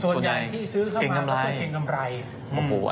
ส่วนใหญ่ที่ซื้อเข้ามาก็เป็นเกร็งกำไร